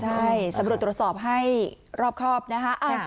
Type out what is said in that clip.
ใช่สำรวจตรวจสอบให้รอบครอบนะคะ